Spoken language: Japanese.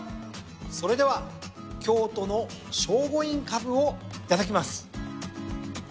それでは京都の聖護院かぶをいただきます。